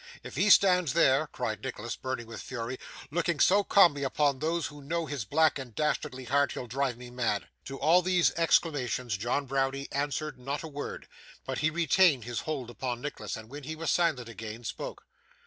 If he stands there,' cried Nicholas, burning with fury, 'looking so calmly upon those who know his black and dastardly heart, he'll drive me mad.' To all these exclamations John Browdie answered not a word, but he retained his hold upon Nicholas; and when he was silent again, spoke.